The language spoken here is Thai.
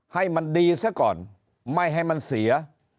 ให้มันดีซะก่อนไม่ให้มันเสีย